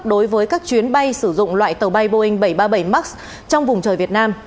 đối với các chuyến bay sử dụng loại tàu bay boeing bảy trăm ba mươi bảy max trong vùng trời việt nam